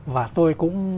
và tôi cũng